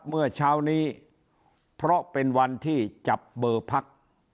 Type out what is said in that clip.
เมื่อเช้านี้เพราะเป็นวันที่จับเบอร์พัก